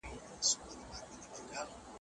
زه هڅه کوم چي خپل عزت تلپاته وساتم.